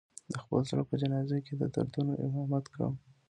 د خپل زړه په جنازه کې د دردونو امامت کړم